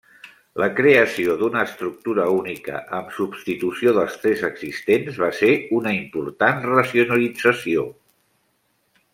La creació d'una estructura única en substitució dels tres existents va ser una important racionalització.